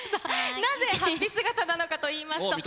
なぜ、はっぴ姿なのかといいますと。